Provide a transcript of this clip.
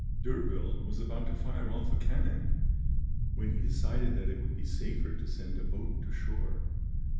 D'Urville was about to fire off a cannon, when he decided that it would be safer to send a boat to shore.